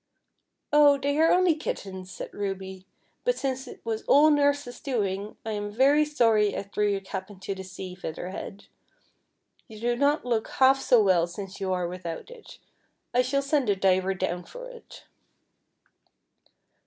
" Oh, they are only kittens," said Ruby ;'* but since it was all nurse's doing, I am very sorry I threw your cap into the sea, Feather Head. You do not look half so well since you are without it. I shall send a diver down Cor it."